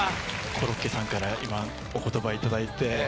コロッケさんから今お言葉頂いて。